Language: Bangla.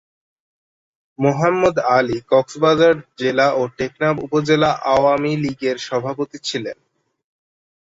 মোহাম্মদ আলী কক্সবাজার জেলা ও টেকনাফ উপজেলা আওয়ামী লীগের সভাপতি ছিলেন।